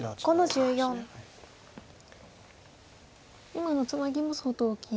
今のツナギも相当大きい。